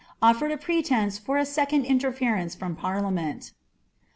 offereJ a pretence for a second inietlmnw from parliameni.'